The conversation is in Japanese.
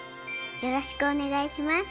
よろしくお願いします。